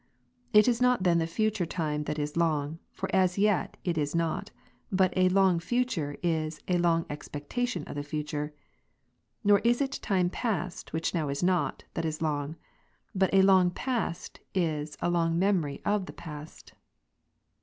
It is not then future time, that is long, for as yet it is not : but a " long future," is " a long expectation of the future," nor is it time past, which now is not, that is long ; but a long past, is " a long memory of the past."